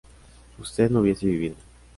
¿usted no hubiese vivido?